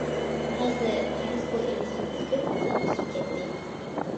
ھازىر قەرز پۇل ئېلىشىمىز كۆپ ئاسانلىشىپ كەتتى.